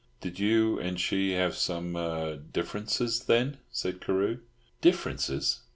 "Did you and she have some er—differences, then?" said Carew. "Differences?